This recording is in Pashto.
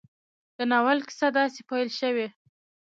د ناول کيسه داسې پيل شوې